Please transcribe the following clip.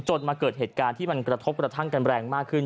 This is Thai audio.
มาเกิดเหตุการณ์ที่มันกระทบกระทั่งกันแรงมากขึ้น